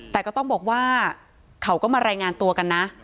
แต่ก็ต้องบอกว่าเขาก็มารายงานตัวกันนะ